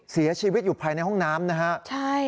เสียชีวิตอยู่ภายในห้องน้ำนะฮะใช่